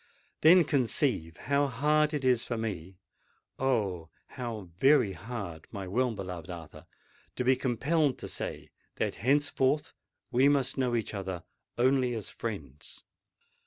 Then, conceive how hard it is for me—oh! how very hard, my well beloved Arthur, to be compelled to say that henceforth we must know each other only as friends!"